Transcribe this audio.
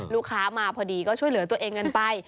ลูกค้ามาพอดีก็ช่วยเหลือตัวเองกันไป